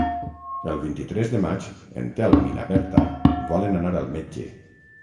El vint-i-tres de maig en Telm i na Berta volen anar al metge.